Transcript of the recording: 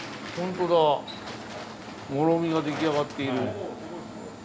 モロミが出来上がっている。